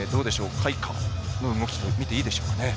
開花と見ていいでしょうかね。